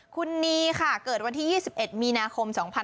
คุณนีค่ะเกิดวันที่๒๑มีนาคม๒๕๖๒